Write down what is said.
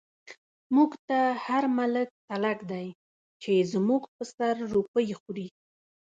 موږ ته هر ملک تلک دی، چۍ زموږ په سر روپۍ خوری